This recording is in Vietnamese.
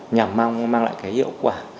nhằm mang lại hiệu quả